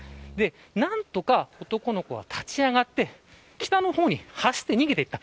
何とか男の子は立ち上がって北の方に走って逃げていった。